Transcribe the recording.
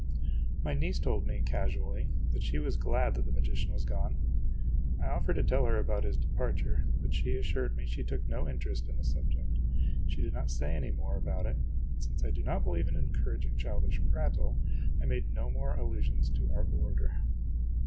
My niece told me, casually, that she was glad that the magician was gone. I offered to tell her about his departure, but she assured me she took no interest in the subject. She did not say any more about it, and, since I do not believe in encouraging childish prattle, I made no more allusions to our boarder.